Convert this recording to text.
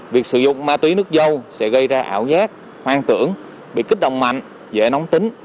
việc sử dụng ma túy nước dâu sẽ gây ra ảo giác hoang tưởng bị kích động mạnh dễ nóng tính